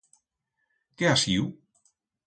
Qué ha siu?